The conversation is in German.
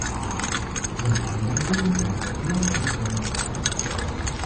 Seine Anweisungen gab er immer bei Sonnenaufgang.